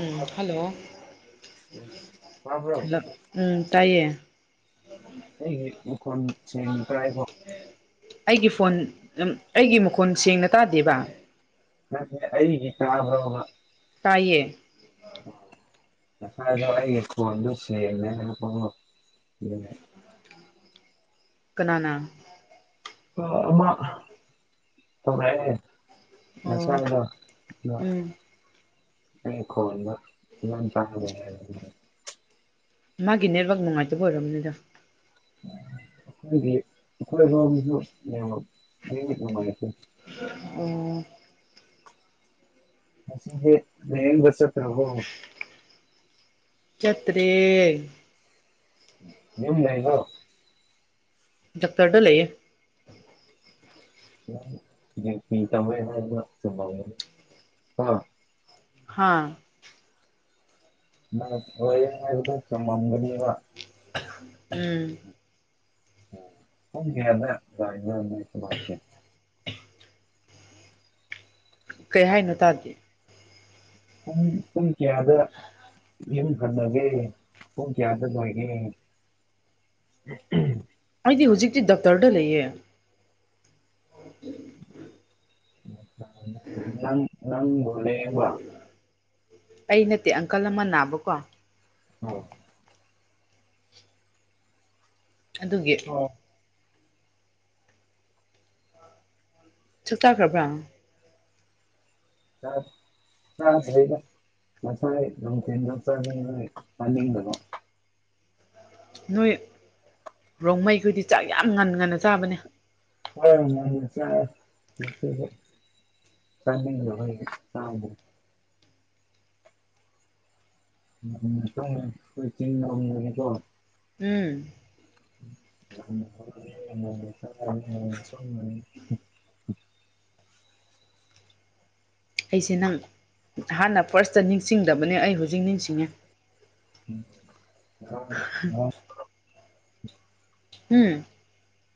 ꯎꯝ hello ꯇꯥꯕ꯭ꯔꯣ hello ꯎꯝ ꯇꯥꯢꯌꯦ ꯑꯩꯒꯤ ꯃꯈꯣꯟ ꯁꯦꯡꯕ꯭ꯔ ꯍꯥꯢꯌꯣ ꯑꯩꯒꯤ ꯐꯣꯟ ꯑꯩꯒꯤ ꯃꯈꯣꯟ ꯁꯦꯡꯅ ꯇꯥꯗꯦꯕ ꯅꯠꯇꯦ ꯑꯩꯒꯤ ꯇꯥꯕ꯭ꯔꯕ ꯇꯥꯏꯌꯦ ꯎꯝ ꯉꯁꯥꯢꯗꯣ ꯑꯩꯒꯤ ꯈꯣꯟꯗꯣ ꯁꯦꯡꯗꯦ [unintelligible] ꯀꯅꯥꯅ ꯑ ꯑꯃ ꯇꯧꯔꯛꯑꯦ ꯑꯣ ꯎꯝ [unintelligible] ꯑꯩ ꯈꯣꯟꯗꯣ ꯐꯖꯅ ꯇꯥꯗꯦ ꯍꯥꯢꯕ ꯑꯗꯨꯒꯤꯅꯦ ꯃꯥꯒꯤ ꯅꯦꯠꯋꯥꯛ ꯅꯨꯡꯉꯥꯏꯇꯕ ꯑꯣꯏꯔꯝꯅꯤꯗ ꯑꯈꯣꯢꯒꯤ ꯑꯈꯣꯢꯔꯣꯝꯁꯨ ꯅꯦꯠꯋꯛ ꯍꯦꯛ ꯍꯦꯛ ꯅꯨꯉꯥꯢꯇꯦ ꯑꯣ ꯉꯁꯤꯗꯤ ꯂꯥꯌꯦꯡꯕ ꯆꯠꯇ꯭ꯔꯕꯣ ꯆꯠꯇ꯭ꯔꯦ ꯌꯨꯝ ꯂꯩꯕ꯭ꯔꯣ ꯗꯛꯇꯔꯗ ꯂꯩꯌꯦ ꯗꯤꯎꯇꯤ ꯇꯧꯋꯦ ꯍꯥꯏꯕꯗꯣ ꯆꯨꯝꯃꯝꯒꯅꯤ ꯀꯣ ꯍꯥꯥ ꯅꯪ ꯇꯧꯋꯦ ꯍꯥꯢꯕꯗꯣ ꯆꯨꯝꯂꯝꯒꯅꯤꯕ ꯎꯝ ꯑꯣ ꯄꯨꯡ ꯀꯌꯥꯗ ꯂꯥꯛꯏꯅꯣ ꯅꯣꯏ ꯊꯕꯛꯁꯦ ꯀꯩ ꯍꯥꯏꯅꯣ ꯇꯥꯗꯦ ꯄꯨꯡ ꯄꯨꯡ ꯀꯌꯥꯗ ꯌꯨꯝ ꯍꯟꯅꯒꯦ ꯄꯨꯡ ꯀꯌꯥꯘ ꯂꯣꯢꯒꯦ ꯍꯑꯝ ꯑꯩꯗꯤ ꯍꯧꯖꯤꯛꯇꯤ ꯗꯛꯔꯗ ꯂꯩꯌꯦ [inaudible] ꯅꯪ ꯅꯪ [unintelligible] ꯑꯩ ꯅꯠꯇꯦ ꯑꯪꯀꯜ ꯑꯃ ꯅꯥꯕꯀꯣ ꯑꯧ ꯑꯗꯨꯒꯤ ꯑꯣ ꯆꯛꯆꯥꯒꯕ꯭ꯔꯥ [unintelligible] ꯆꯥꯗ꯭ꯔꯤꯗ ꯉꯁꯥꯢ ꯅꯨꯡꯊꯤꯟꯗꯣ ꯆꯅꯤꯡꯕꯒꯤ ꯆꯥꯅꯤꯡꯗꯕ ꯅꯣꯏ ꯔꯣꯡꯃꯩꯈꯣꯏꯗꯤ ꯆꯥꯛ ꯌꯥꯝ ꯉꯟ ꯉꯟꯅ ꯆꯥꯕꯅꯦ ꯍꯣꯢ ꯉꯟ ꯆꯥꯢ ꯆꯅꯤꯡꯗꯕꯩ ꯆꯥꯗꯦ [unintelligible] ꯎꯝ [unintelligible] [inaudible] ꯑꯩꯁꯦ ꯅꯪ ꯍꯥꯟꯅ ꯐꯥꯔ꯭ꯁꯇ ꯅꯤꯡꯁꯤꯡꯗꯕꯅꯦ ꯑꯩ ꯍꯧꯖꯤꯛ ꯅꯤꯡꯁꯤꯡꯉꯦ [unintelligible] ꯎꯝ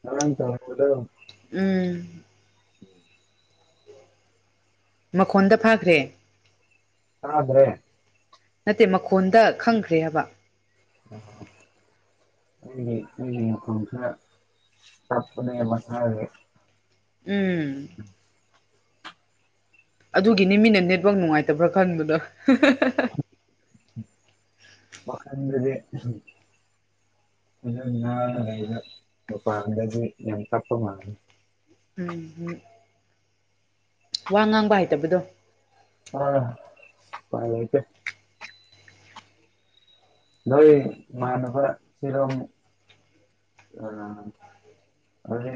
ꯉꯔꯥꯡ ꯇꯧꯍꯟꯕꯗꯣ ꯎꯝ ꯃꯈꯣꯟꯗ ꯐꯥꯈ꯭ꯔꯦ ꯇꯥꯗ꯭ꯔꯦ ꯅꯠꯇꯦ ꯃꯈꯣꯟꯗ ꯈꯪꯈ꯭ꯔꯦ ꯍꯥꯕ ꯑ ꯑꯩꯒꯤ ꯑꯩꯒꯤ ꯃꯈꯣꯟꯁꯦ ꯇꯄꯅꯦ ꯃꯁꯥꯒꯤ ꯎꯝ ꯑꯗꯨꯒꯤꯅꯤ ꯃꯤꯅ ꯅꯦꯠꯋꯥꯛ ꯅꯨꯡꯉꯥꯏꯇꯕ꯭ꯔꯥ ꯈꯟꯕꯗ [unintelligible] ꯎꯝ ꯑꯗꯨꯗꯨꯅ ꯒꯩꯗꯣ ꯃꯄꯥꯟꯗꯒꯤ ꯌꯥꯝ ꯇꯄ ꯃꯥꯅꯤ ꯎꯝ ꯎꯝ ꯋꯥ ꯉꯥꯡꯕ ꯍꯥꯏꯇꯕꯗꯣ ꯑ ꯄꯥꯢ ꯂꯩꯇꯦ ꯅꯣꯏ ꯃꯥꯟꯅ ꯈꯔ ꯁꯤꯔꯝ ꯑ ꯑꯗꯨ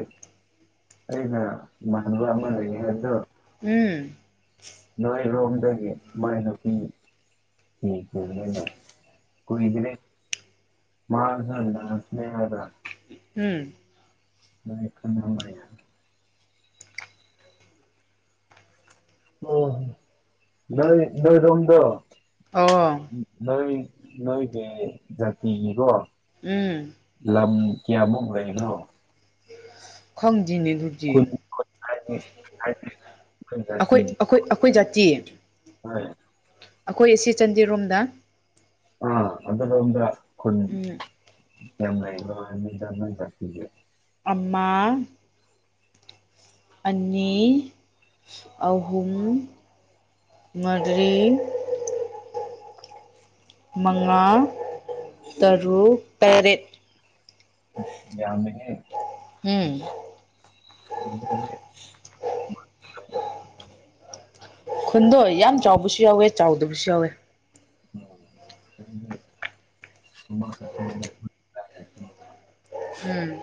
ꯑꯩꯅ ꯏꯃꯥꯟꯅꯕ ꯑꯃ ꯂꯩꯌꯦ ꯍꯥꯢꯕꯗꯣ ꯎꯝ ꯅꯣꯏ ꯔꯣꯝꯗꯒꯤ ꯃꯥꯏ ꯅꯨꯄꯤ [unintelligible] ꯀꯨꯢꯗ꯭ꯔꯤ ꯃꯥ ꯃꯁꯥ ꯅꯥꯁꯅꯦ ꯍꯥꯢꯕ ꯎꯝ ꯅꯪ ꯈꯪꯉꯝꯒꯅꯤꯗ ꯎ ꯅꯣꯏ ꯅꯣꯏꯔꯝꯗꯣ ꯑꯣ ꯅꯣꯏ ꯅꯣꯏꯒꯤ ꯖꯥꯇꯤꯒꯤꯀꯣ ꯎꯝ ꯂꯝ ꯀ꯭ꯌꯥꯃꯨꯛꯔꯩꯕ꯭ꯔꯣ ꯈꯪꯗꯤꯅꯤ ꯗꯨꯗꯤ ꯈꯨꯟ ꯍꯥꯏꯗꯤ ꯍꯥꯏꯗꯤ ꯑꯩꯈꯣꯏ ꯑꯈꯣꯏ ꯑꯈꯣꯏ ꯑꯈꯣꯏ ꯖꯥꯇꯤ ꯍꯣꯢ ꯑꯈꯣꯏ ꯑꯁꯤ ꯆꯟꯗꯤꯔꯣꯝꯗ ꯑ ꯑꯗꯨꯔꯣꯝꯗ ꯈꯨꯟ ꯎꯝ ꯌꯥꯝ ꯂꯩꯕ꯭ꯔ ꯅꯣꯢ ꯖꯥ ꯖꯥꯇꯤꯒꯤ ꯑꯃ ꯑꯅꯤ ꯑꯍꯨꯝ ꯃꯔꯤ ꯃꯉꯥ ꯇꯔꯨꯛ ꯇꯔꯦꯠ ꯌꯥꯝꯃꯦꯍꯦ ꯎꯝ [inaudible] ꯈꯨꯟꯗꯣ ꯌꯥꯝ ꯆꯥꯎꯕꯁꯨ ꯌꯥꯎꯋꯦ ꯆꯥꯎꯗꯕꯁꯨ ꯌꯥꯎꯋꯦ ꯎ [inaudible] ꯑ [unintelligible] ꯎꯝ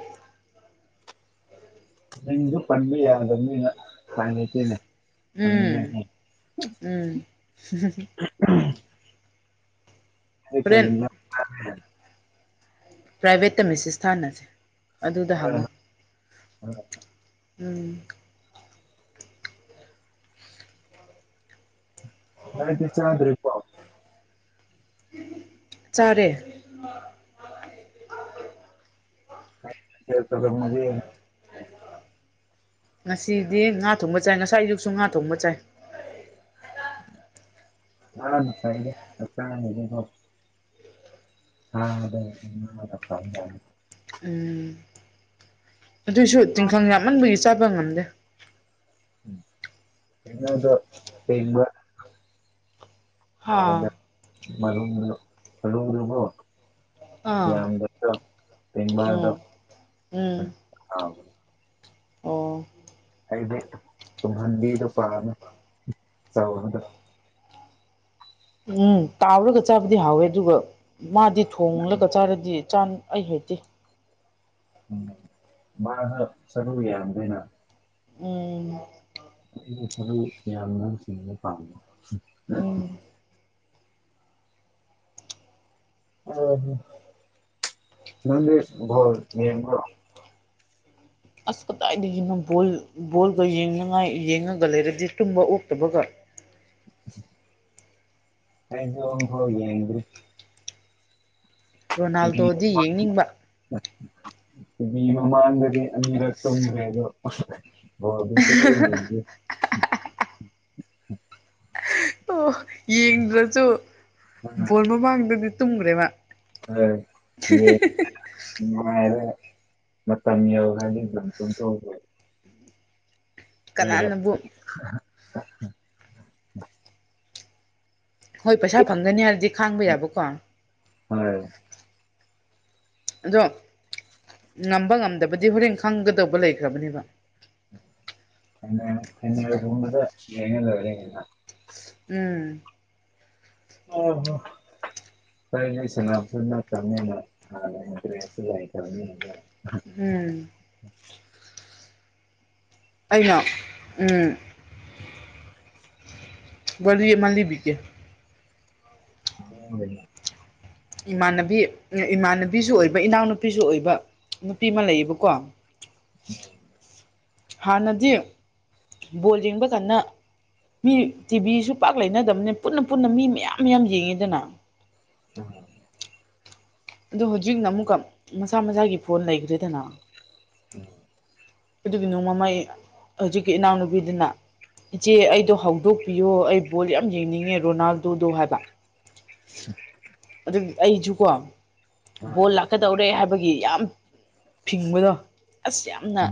ꯏ ꯄꯟꯗ ꯃꯤ ꯄꯥꯟꯕ ꯌꯥꯗꯕꯅꯤꯅ ꯎꯄꯥꯏ ꯂꯩꯇꯦ ꯈꯪꯅꯤꯡꯉꯦ ꯍꯍ ꯑꯗꯨ ꯍꯣꯔꯦꯟ ꯀꯩꯅ ꯄ꯭ꯔꯥꯏꯚꯦꯠꯇ ꯃꯤꯁꯤꯁ ꯊꯥꯟꯅꯁꯦ ꯑꯗꯨꯗ ꯍꯪꯉꯨ ꯆꯥꯔꯕ ꯎꯝ ꯅꯪ ꯆꯥꯛ ꯆꯥꯗ꯭ꯔꯄꯣ ꯆꯔꯦ ꯇꯧꯔꯝꯃꯒꯦ [unintelligible] ꯉꯥꯁꯤꯗꯤ ꯉꯥ ꯊꯣꯡꯕ ꯆꯥꯏ ꯉꯥꯁꯥꯏ ꯑꯌꯨꯛꯁꯨ ꯉꯥ ꯊꯣꯡꯕ ꯆꯥꯏ [unintelligible] [inaudible] [unintelligible] ꯎꯝ ꯑꯗꯨꯏꯁꯨ ꯇꯤꯡꯈꯪ ꯌꯥꯝꯃꯟꯕꯒꯤ ꯆꯥꯕ ꯉꯝꯗꯦ [unintelligible] ꯍꯥꯥ ꯍꯥꯟꯅꯗ ꯃꯔꯨꯝꯗꯣ ꯃꯔꯨꯝꯗꯣꯀꯣ ꯑꯥ ꯌꯥꯝꯗꯦꯀꯣ ꯄꯦꯡꯕꯥꯗꯣ ꯎꯝ ꯎꯝ ꯑꯥ ꯑꯣ ꯑꯩꯗ ꯇꯨꯡꯍꯟꯕꯤꯗꯣ ꯄꯥꯝꯃꯦ ꯑꯆꯧꯕꯗꯣ ꯎꯝ ꯇꯥꯎꯔꯒ ꯆꯥꯕꯗꯤ ꯍꯥꯎꯋꯦ ꯑꯗꯨꯒ ꯃꯥꯗꯤ ꯊꯣꯡꯂꯒ ꯆꯥꯔꯗꯤ ꯆꯥꯟ ꯑꯩ ꯍꯩꯇꯦ ꯎꯝ ꯃꯥꯅ ꯁꯥꯔꯨ ꯌꯥꯝꯕꯅꯤꯅꯥ ꯎꯝ ꯎꯝ [unintelligible] ꯑꯣ [unintelligible] ꯅꯪꯗꯤ ꯕꯣꯜ ꯌꯦꯡꯕ꯭ꯔꯣ ꯑꯁ ꯀꯗꯥꯏꯗꯒꯤꯅꯣ ꯕꯣꯜ ꯕꯣꯜꯒ ꯌꯦꯡꯅꯤꯡꯉꯥꯏ ꯌꯦꯡꯉꯒ ꯂꯩꯔꯕꯗꯤ ꯇꯨꯝꯕ ꯑꯣꯛꯇꯕꯒ [unintelligible] [inaudible] ꯑꯩꯁꯨ ꯑꯝꯐꯥꯎ ꯌꯦꯡꯗ꯭ꯔꯤ ꯔꯣꯅꯥꯜꯗꯣꯗꯤ ꯌꯦꯡꯅꯤꯡꯕ ꯇꯤ ꯕꯤ ꯃꯃꯥꯡꯗꯗꯤ ꯑꯅꯤꯔꯛꯇꯨꯝꯈ꯭ꯔꯦꯕꯣ ꯑꯍꯥꯍꯥꯍꯥ ꯕꯣꯜꯗꯤ ꯁꯨꯛꯌꯦꯡ ꯌꯦꯡꯗꯦ ꯑꯣ ꯌꯦꯡꯗ꯭ꯔꯁꯨ ꯕꯣꯜ ꯃꯃꯥꯡꯗꯗꯤ ꯇꯨꯝꯈ꯭ꯔꯦꯕ ꯍꯣꯏ ꯌꯦꯡ ꯅꯨꯡꯉꯥꯏꯔꯦ ꯃꯇꯝ ꯌꯧꯔꯗꯤ ꯑꯗꯨꯝ ꯇꯨꯝꯊꯣꯛꯈ꯭ꯔꯦ ꯑꯗꯨꯒ ꯀꯅꯥꯅꯕꯨ [unintelligible] ꯍꯣꯏ ꯄꯩꯁꯥ ꯐꯪꯒꯅꯤ ꯍꯥꯏꯔꯗꯤ ꯈꯥꯡꯕ ꯌꯥꯕꯀꯣ ꯍꯣꯏ ꯑꯗꯣ ꯉꯝꯕ ꯉꯝꯗꯕꯗꯤ ꯍꯣꯔꯦꯟ ꯈꯪꯒꯗꯧꯕ ꯂꯩꯈ꯭ꯔꯥꯕꯅꯦꯕ [unintelligible] ꯌꯦꯡꯒꯗꯕꯅꯦ ꯀꯩꯅꯣ ꯎꯝ ꯑ ꯍꯥ [unintelligible] ꯍꯣꯔꯦꯟ ꯑꯩ ꯁꯅꯥꯕꯁꯨ ꯅꯠꯇꯝꯅꯤꯅꯥ [unintelligible] ꯗ꯭ꯔꯦꯁ ꯁꯨ ꯂꯩꯇ꯭ꯔꯥꯕꯅꯤꯅꯀꯣ ꯎꯝ ꯑꯩꯅꯣ ꯎꯝ ꯋꯥꯔꯤ ꯑꯃ ꯂꯤꯕꯤꯒꯦ [unintelligible] ꯏꯃꯥꯟꯅꯕꯤ ꯏꯃꯥꯟꯅꯕꯤꯁꯨ ꯑꯣꯏꯕ ꯏꯅꯥꯎꯅꯨꯄꯤꯁꯨ ꯑꯣꯏꯕ ꯅꯨꯄꯤ ꯑꯃ ꯂꯩꯌꯦꯕꯀꯣ ꯍꯥꯟꯅꯗꯤ ꯕꯣꯜ ꯌꯦꯡꯕ ꯀꯥꯟꯗ ꯃꯤ ꯇꯤꯚꯤꯁꯨ ꯄꯥꯛ ꯂꯩꯅꯗꯕꯅꯤ ꯄꯨꯟꯅ ꯄꯨꯟꯅ ꯃꯤ ꯃꯌꯥꯝ ꯃꯌꯥꯝ ꯌꯦꯡꯉꯤꯗꯅ ꯎꯝ ꯑꯗꯨ ꯍꯧꯖꯤꯛꯅ ꯑꯃꯨꯛꯀꯥ ꯃꯁꯥ ꯃꯁꯥꯒꯤ ꯐꯣꯟ ꯂꯩꯈ꯭ꯔꯦꯗꯅ ꯑꯗꯨꯒꯤꯅꯣ ꯃꯃꯩ ꯍꯧꯖꯤꯛꯀꯤ ꯏꯅꯥꯎꯅꯨꯄꯤꯗꯨꯅ ꯏꯆꯦ ꯑꯩꯗꯣ ꯍꯧꯗꯣꯛꯄꯤꯌꯣ ꯑꯩ ꯕꯣꯜ ꯌꯥꯝ ꯌꯦꯡꯅꯤꯡꯉꯦ ꯔꯣꯅꯥꯜꯗꯣꯗꯣ ꯍꯥꯏꯕ [inaudible] ꯑꯩꯁꯨꯀꯣ ꯕꯣꯜ ꯂꯥꯛꯀꯗꯧꯔꯦ ꯍꯥꯏꯕ ꯒꯤ ꯌꯥꯝ ꯐꯤꯡꯕꯗꯣ ꯑꯁ ꯌꯥꯝꯅ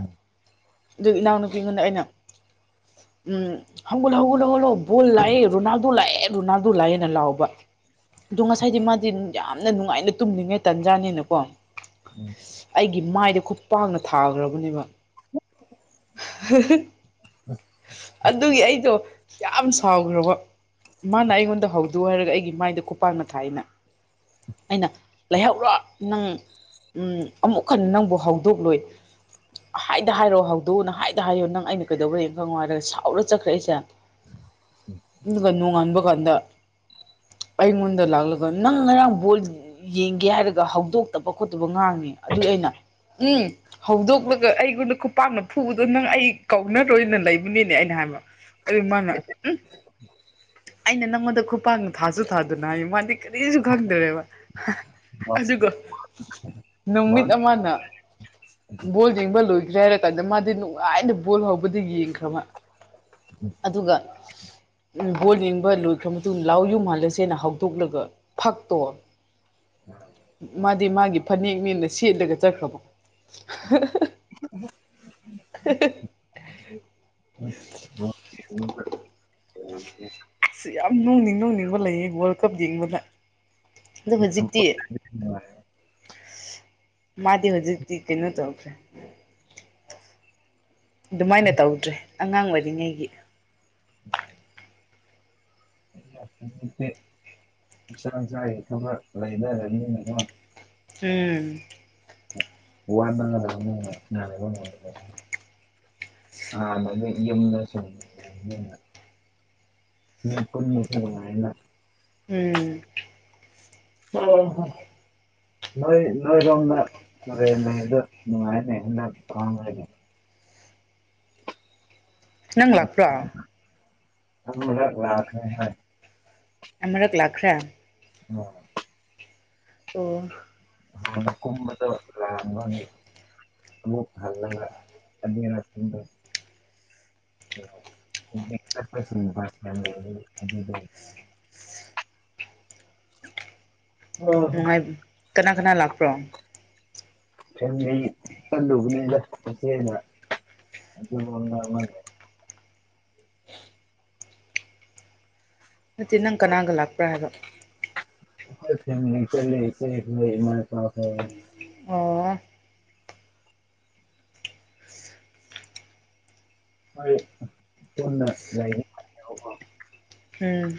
ꯑꯗꯨ ꯏꯅꯥꯎꯅꯨꯄꯤꯉꯣꯟꯗ ꯑꯩꯅ [inaudible] ꯎꯝ ꯍꯧꯒꯠꯂꯣ ꯍꯧꯒꯠꯂ ꯍ ꯍꯧꯒꯂꯣ ꯕꯣꯜ ꯂꯥꯛꯑꯦ ꯔꯣꯅꯥꯜꯗꯣ ꯂꯥꯛꯑꯦ ꯔꯣꯅꯥꯜꯗꯣ ꯂꯥꯛꯑꯦꯅ ꯂꯥꯎꯕ ꯑꯗꯣ ꯉꯁꯥꯏꯗꯤ ꯃꯥꯗꯤ ꯌꯥꯝꯅ ꯅꯨꯡꯉꯥꯏꯅ ꯇꯨꯝꯅꯤꯡꯉꯦ ꯇꯟꯖꯥꯅꯤꯅꯀꯣ ꯎꯝ ꯒꯤ ꯃꯥꯏꯗ ꯈꯨꯠ ꯄꯥꯛꯅ ꯊꯥꯈ꯭ꯔꯕꯅꯦꯕ ꯑꯗꯨꯒꯤ ꯑꯩꯗꯣ ꯌꯥꯝ ꯁꯥꯎꯈ꯭ꯔꯕ ꯃꯥꯅ ꯑꯩꯉꯣꯟꯗ ꯍꯧꯗ ꯍꯥꯏꯔꯒ ꯑꯩꯒꯤ ꯃꯥꯏꯗ ꯈꯨꯄꯥꯛꯅ ꯊꯥꯏꯅ ꯑꯩꯅ ꯂꯩꯍꯧꯔꯣ ꯅꯪ ꯎꯝ ꯑꯃꯨꯛ ꯍꯟꯅ ꯅꯪꯕꯨ ꯍꯧꯗꯣꯛꯂꯣꯏ ꯍꯥꯏꯗ ꯍꯥꯏꯔꯛꯑꯣ ꯍꯧ ꯑꯗꯨꯗꯅ ꯍꯥꯏꯗ ꯍꯥꯏꯌꯣ ꯅꯪ ꯑꯩꯅ ꯀꯩꯗꯧ꯭ꯔꯦ ꯈꯪ ꯍꯥꯏꯔꯒ ꯁꯥꯎꯔ ꯆꯠꯈ꯭ꯔꯏꯁꯦ ꯑꯗꯨꯒ ꯅꯣꯡꯉꯥꯟꯕ ꯀꯥꯟꯕ ꯀꯥꯟꯗ ꯑꯩꯉꯣꯟꯗ ꯂꯥꯛꯂꯒ ꯅꯪ ꯉꯔꯥꯡ ꯕꯣꯜ ꯌꯦꯡꯒꯦ ꯍꯥꯏꯔꯒ ꯍꯧꯗꯣꯛꯇꯕ ꯈꯣꯠꯇꯕ ꯉꯥꯡꯅꯤ ꯑꯗꯨ ꯑꯩꯅ ꯎꯝ ꯍꯧꯗꯣꯛꯂꯒ ꯑꯩꯒꯣꯟꯗ ꯈꯨꯄꯥꯛꯅ ꯐꯨꯕꯗꯣ ꯅꯪ ꯑꯩ ꯀꯧꯅꯔꯣꯏꯅ ꯂꯩꯕꯅꯤꯅꯦ ꯑꯩꯅ ꯍꯥꯏꯕ ꯑꯗꯨ ꯃꯥꯅ ꯎꯝ ꯑꯩꯅ ꯅꯪꯉꯣꯟꯗ ꯈꯨꯄꯥꯛꯅ ꯊꯥꯁꯨ ꯊꯥꯗꯨꯅ ꯍꯥꯏ ꯃꯥꯗꯤ ꯀꯔꯤꯁꯨ ꯈꯪꯗ꯭ꯔꯦꯕ ꯑꯗꯨꯒ ꯅꯨꯃꯤꯠ ꯑꯃꯅ ꯕꯣꯜ ꯌꯦꯡꯕ ꯂꯨꯏ ꯍꯥꯏꯔꯀꯥꯟꯗ ꯃꯥꯗꯤ ꯅꯨꯡꯉꯥꯏꯅ ꯕꯣꯜ ꯍꯧꯕꯗꯨ ꯌꯦꯡꯈ꯭ꯔꯕ ꯑꯗꯨꯒ ꯕꯣꯜ ꯌꯦꯡꯕ ꯂꯣꯏꯈ꯭ꯔ ꯃꯇꯨꯡ ꯂꯥꯎ ꯌꯨꯝ ꯍꯥꯜꯂꯁꯦꯅ ꯍꯧꯗꯣꯛꯂꯒ ꯐꯛꯇꯣ [inaudible] ꯃꯥꯗꯤ ꯃꯥꯒꯤ ꯐꯅꯦꯛꯅꯤꯅ ꯁꯦꯠꯂꯒ ꯆꯠꯈ꯭ꯔꯕꯣ ꯎ [inaudible] ꯌꯥꯝ ꯅꯨꯛꯅꯤꯡ ꯅꯨꯛꯅꯤꯡꯕ ꯂꯩꯌꯦ ꯋꯥꯔꯜ ꯀꯞ ꯌꯦꯡꯕꯗ ꯑꯗꯨ ꯍꯧꯖꯤꯛꯇꯤ ꯃꯥꯗꯤ ꯍꯖꯤ ꯀꯩꯅꯣ ꯇꯧꯈ꯭ꯔꯦ ꯑꯗꯨꯃꯥꯏꯅ ꯇꯧꯗ꯭ꯔꯦ ꯑꯉꯥꯡ ꯑꯣꯏꯔꯤꯉꯩꯒꯤ ꯃꯥꯁꯥ ꯃꯁꯥꯒꯤ ꯊꯕꯛ ꯂꯩꯅꯔꯅꯤꯅꯀꯣ ꯎꯝ ꯋꯥꯅꯔꯕꯅꯤꯅ ꯍꯥꯟꯅꯗꯤ ꯌꯨꯝꯗ [unintelligible] ꯎꯝ ꯑꯣ ꯅꯣꯏ ꯅꯣꯏꯔꯣꯝꯗ ꯇꯨꯔꯦꯜ ꯂꯩꯕ ꯅꯨꯡꯉꯥꯏꯅꯦ ꯅꯪꯂꯥꯛ ꯄꯨ꯭ꯔꯣ ꯑꯃꯔꯛ ꯂꯥꯛꯈ꯭ꯔꯦ ꯍꯥꯏ ꯑꯃꯔꯛ ꯂꯥꯛꯈ꯭ꯔꯦ ꯎ ꯑꯣ ꯍꯥꯟꯅ ꯀꯨꯝꯕꯗ ꯂꯥꯛꯑꯝꯒꯅꯤ ꯑꯃꯨꯛ ꯍꯜꯂꯒ ꯑꯅꯤꯔꯛꯀꯨꯝꯕ [unintelligible] [inaudible] ꯅꯨꯡꯉꯥꯏ ꯀꯅꯥ ꯀꯅꯥ ꯂꯥꯛꯄ꯭ꯔꯣ ꯐꯦꯃꯤꯂꯤ ꯆꯠꯂꯨꯕꯅꯤꯗ ꯃꯆꯦꯅ ꯑꯇꯣꯞꯄ ꯋꯥ ꯉꯥꯡ ꯂꯩ ꯅꯠꯇꯦ ꯅꯪ ꯀꯅꯥꯒ ꯂꯥꯛꯄ꯭ꯔꯥ ꯍꯥꯏꯕ ꯑꯩꯈꯣꯏ ꯐꯦꯃꯤꯂꯤ ꯆꯠꯂꯦ ꯏꯆꯦꯈꯣꯏ ꯏꯃꯥ ꯏꯄꯥꯈꯣꯏ ꯑꯣ ꯑꯣ ꯑꯩꯈꯣꯏ ꯄꯨꯟꯅ ꯂꯩꯅꯤ ꯍꯥꯏꯌꯦꯕꯀꯣ ꯎꯝ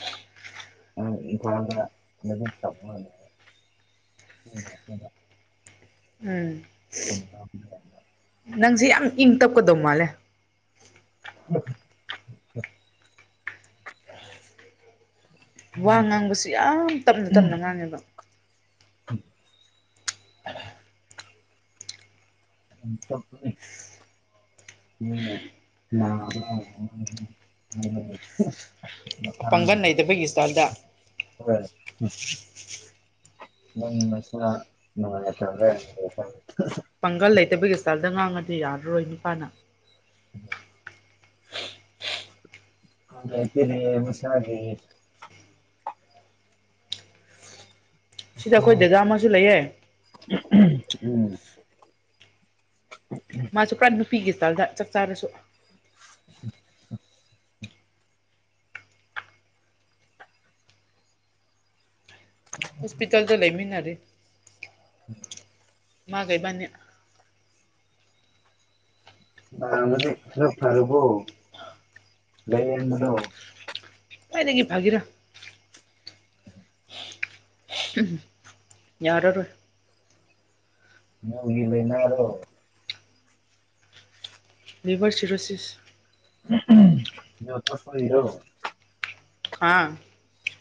[unintelligible] [unintelligible] ꯎꯝ [unintelligible] ꯅꯪꯁꯦ ꯌꯥꯝ ꯏꯪ ꯇꯞꯀꯗꯧ ꯃꯥꯜꯂꯦ [unintelligible] ꯋꯥ ꯉꯥꯡꯕꯁꯨ ꯌꯥꯝ ꯇꯞꯅ ꯇꯞꯅ ꯉꯥꯡꯉꯦꯕ [inaudible] ꯌꯥꯝ ꯇꯞꯄꯅꯦ ꯃꯤꯅ ꯉꯥꯡꯉꯒ [unintelligible] ꯃꯁꯥꯒꯤ ꯄꯥꯡꯒꯜ ꯂꯩꯇꯕꯒꯤ ꯏꯁꯇꯥꯏꯜꯗ ꯍꯣꯏ ꯅꯪ ꯅꯁꯥ ꯅꯨꯉꯥꯏ [unintelligible] ꯄꯥꯡꯒꯜ ꯂꯩꯇꯕꯒꯤ ꯁꯇꯥꯏꯜꯗ ꯉꯥꯡꯉꯗꯤ ꯌꯥꯔꯔꯣꯏ ꯅꯨꯄꯥꯅ [unintelligible] ꯅꯠꯇꯦꯅꯦ ꯃꯁꯥꯒꯤ ꯁꯤꯗ ꯑꯩꯈꯣꯏ ꯗꯥꯗꯥꯥ ꯑꯃꯁꯨ ꯂꯩꯌꯦ ꯎꯝ ꯃꯥꯁꯨ ꯄꯨꯔꯥ ꯅꯨꯄꯤꯒꯤ ꯁꯇꯥꯏꯜꯗ ꯆꯥꯛ ꯆꯥꯔꯁꯨ [unintelligible] ꯍꯣꯁꯄꯤꯇꯥꯜꯗ ꯂꯩꯃꯤꯟꯅꯔꯤ [inaudible] ꯃꯥꯒ ꯏꯕꯥꯅꯤ ꯅꯕꯗꯤ ꯈꯔ ꯐꯔꯕꯣ ꯂꯩ ꯌꯦꯡꯕꯗꯣ ꯀꯥꯏꯗꯒꯤ ꯐꯒꯦꯔ ꯎꯝ ꯌꯥꯔꯔꯣꯏ ꯉꯥꯎꯕꯒꯤ ꯂꯩꯅꯔꯣ ꯂꯤꯚꯔ ꯁꯤꯔꯣꯁꯤꯁ [unintelligible] ꯈꯥ